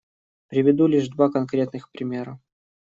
Приведу лишь два конкретных примера.